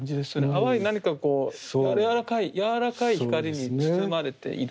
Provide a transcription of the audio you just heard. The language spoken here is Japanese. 淡い何かこう柔らかい光に包まれている。